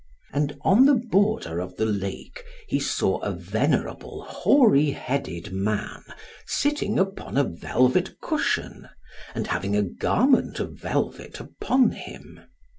And on the border of the lake he saw a venerable hoary headed man sitting upon a velvet cushion, and having a garment of velvet upon him.